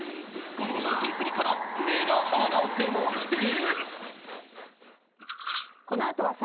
今後も、キンプリから目が離せません。